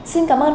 xin cảm ơn ông